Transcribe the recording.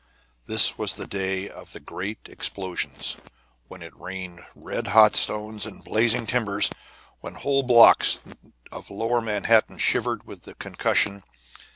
This was the day of the great explosions, when it rained red hot stones and blazing timbers, when whole blocks of lower Manhattan shivered with the concussion.